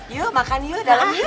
yuk makan yuk dalem